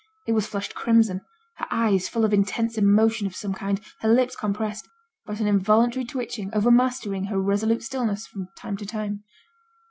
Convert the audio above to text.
It was flushed crimson, her eyes full of intense emotion of some kind, her lips compressed; but an involuntary twitching overmastering her resolute stillness from time to time.